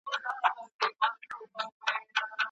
معلم صاحب وویل چې باید په هر حال کې د خدای شکر وباسئ.